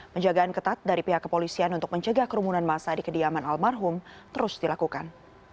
penjagaan ketat dari pihak kepolisian untuk mencegah kerumunan masa di kediaman almarhum terus dilakukan